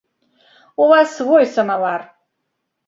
У вас свой самавар.